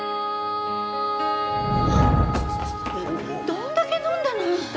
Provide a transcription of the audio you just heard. どんだけ飲んだのあんた。